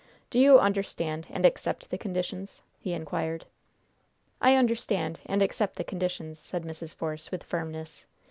Do you understand and accept the conditions?" he inquired. "I understand and accept the conditions," said Mrs. Force, with firmness.